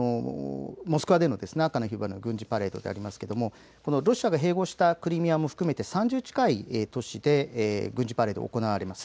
モスクワでの赤の広場の軍事パレードでありますがロシアが併合したクリミアも含めて３０近い都市で軍事パレード、行われます。